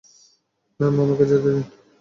Ma'am, আমাকে যেতে দিন।